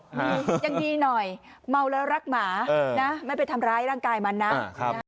ยังดีหน่อยเมาแล้วรักหมาเออนะไม่ไปทำร้ายร่างกายมันนะอ่าครับ